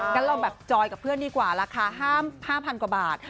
งั้นเราแบบจอยกับเพื่อนดีกว่าราคา๕๐๐กว่าบาท